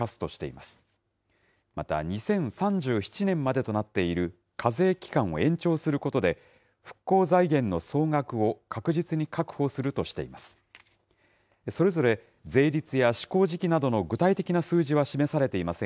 また、２０３７年までとなっている課税期間を延長することで、復興財源の総額を確実に確保するとしています。